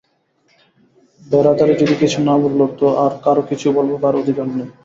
বেরাদারি যদি কিছু না বলল তো আর কারও কিছু বলবার অধিকার নেই।